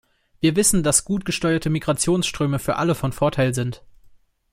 Wir wissen, dass gut gesteuerte Migrationsströme für alle von Vorteil sind.